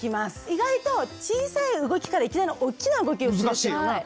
意外と小さい動きからいきなりおっきな動きをするっていうのが。